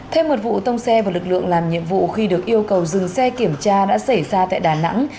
thêm một vụ tông xe vào lực lượng làm nhiệm vụ khi được yêu cầu dừng xe kiểm tra đã xảy ra tại đà nẵng